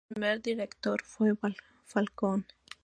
Su primer director fue Falcón.